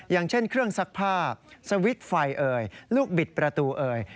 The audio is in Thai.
อย่างเช่นเครื่องซักผ้าสวิตช์ไฟเอ่ยลูกบิดประตูเอ่ย